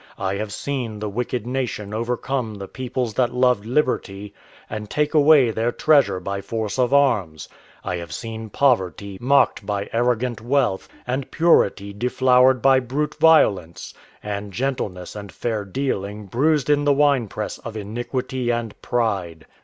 I have seen the wicked nation overcome the peoples that loved liberty, and take away their treasure by force of arms. I have seen poverty mocked by arrogant wealth, and purity deflowered by brute violence, and gentleness and fair dealing bruised in the winepress of iniquity and pride.